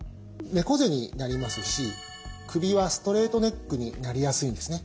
猫背になりますし首はストレートネックになりやすいんですね。